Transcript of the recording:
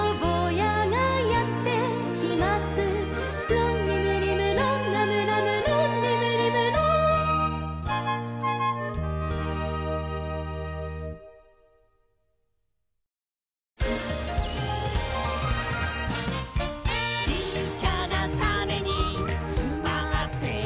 「ロンリムリムロンラムラムロンリムリムロン」「ちっちゃなタネにつまってるんだ」